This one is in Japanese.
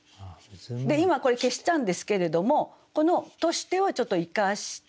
今これ消したんですけれどもこの「として」をちょっと生かして。